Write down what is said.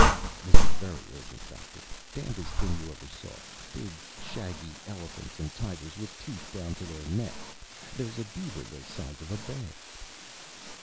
"This is very urgent, Doctor. Damnest thing you ever saw. Big, shaggy elephants and tigers with teeth down to their necks. There's a beaver the size of a bear."